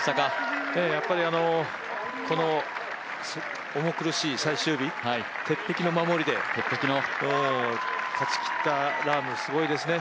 この重苦しい最終日、鉄壁の守りで勝ちきったラーム、すごいですね。